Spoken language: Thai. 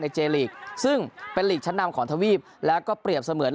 เจลีกซึ่งเป็นลีกชั้นนำของทวีปแล้วก็เปรียบเสมือน